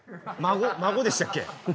「孫」でしたっけ？